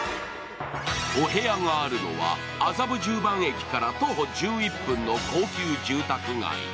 お部屋があるのは麻布十番駅から徒歩１１分の高級住宅街。